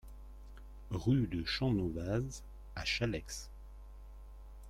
Rue de Champnovaz à Challex